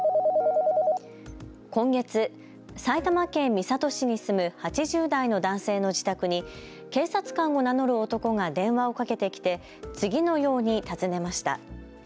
今月、埼玉県三郷市に住む８０代の男性の自宅に警察官を名乗る男が電話をかけてきて次のように尋ねました。